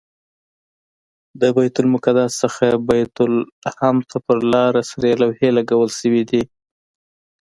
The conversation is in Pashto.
له بیت المقدس څخه بیت لحم ته پر لاره سرې لوحې لګول شوي دي.